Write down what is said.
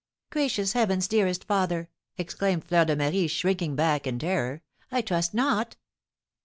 "Gracious heavens, dearest father!" exclaimed Fleur de Marie, shrinking back in terror, "I trust not!"